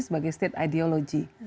sebagai state ideology